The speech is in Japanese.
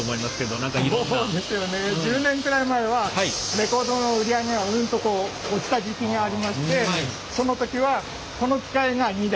そうですよね１０年くらい前はレコードの売り上げがうんとこう落ちた時期がありましてその時はこの機械が２台。